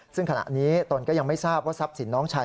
ซึ่งขณะนี้ตนก็ยังไม่ทราบว่าทรัพย์สินน้องชาย